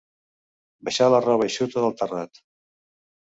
Baixar la roba eixuta del terrat.